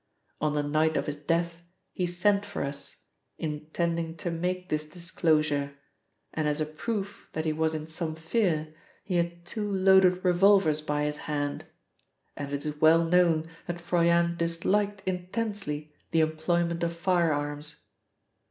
On the night of his death he sent for us, intending to make this disclosure, and as a proof that he was in some fear he had two loaded revolvers by his hand, and it is well known that Froyant disliked intensely the employment of firearms.